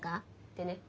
ってね。